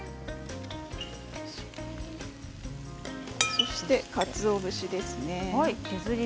そして、かつお節ですね。